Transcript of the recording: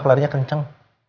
clear nya kenceng